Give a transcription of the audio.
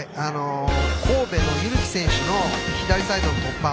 神戸の汰木選手の左サイドの突破。